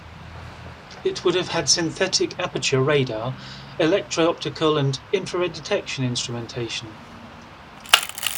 It would have had synthetic aperture radar, electro-optical and infrared detection instrumentation.